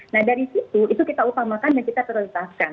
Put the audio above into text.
nah dari situ itu kita upamakan dan kita terletakkan